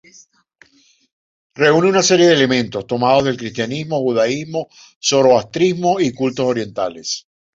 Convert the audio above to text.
Reúne una serie de elementos tomados del cristianismo, judaísmo, zoroastrismo y cultos orientales.